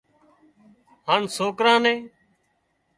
هانَ سوڪرا نين